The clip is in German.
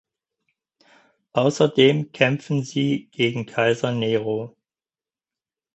Außerdem kämpfen sie gegen Kaiser Nero.